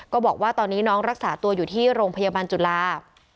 บอกว่าตอนนี้น้องรักษาตัวอยู่ที่โรงพยาบาลจุฬา